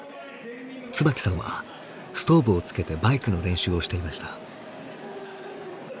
椿さんはストーブをつけてバイクの練習をしていました。